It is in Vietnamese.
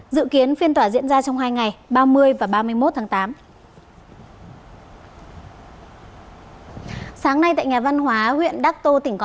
dự kiến phiên tòa diễn ra trong hai ngày ba mươi và ba mươi một tháng tám